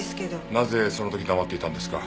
なぜその時黙っていたんですか？